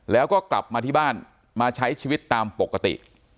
แล้วก็กลับมาที่บ้านมาใช้ชีวิตตามปกติ